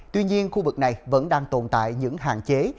tuy nhiên khu vực này vẫn đang tồn tại những hạn chế